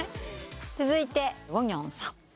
続いてウォニョンさん。